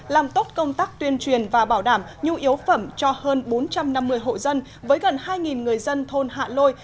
làm tốt công tác tuyên truyền và bảo đảm nhu yếu phẩm cho hơn bốn trăm năm mươi hộ dân với gần hai người dân thôn hạ lôi